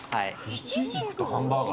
イチジクとハンバーガー。